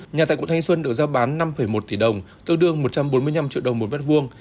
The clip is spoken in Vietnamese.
nhà tại quận thanh xuân được giao bán năm một tỷ đồng tương đương một trăm bốn mươi năm triệu đồng một mét vuông